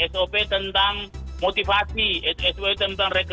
sop tentang motivasi sop tentang rekreasi dan olahraga